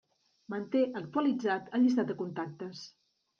Manté actualitzat el llistat de contactes.